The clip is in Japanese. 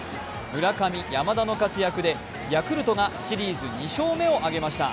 村上・山田の活躍でヤクルトがシリーズ２勝目を挙げました。